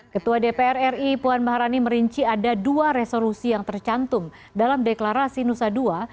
ketua dpr ri puan maharani merinci ada dua resolusi yang tercantum dalam deklarasi nusa dua